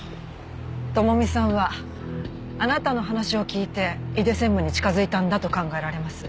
朋美さんはあなたの話を聞いて井出専務に近づいたんだと考えられます。